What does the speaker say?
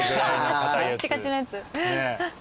カチカチのやつ。